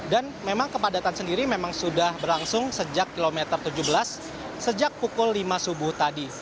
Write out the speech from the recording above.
dan memang kepadatan sendiri memang sudah berlangsung sejak kilometer tujuh belas sejak pukul lima subuh tadi